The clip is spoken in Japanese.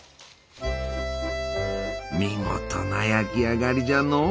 見事な焼き上がりじゃのう！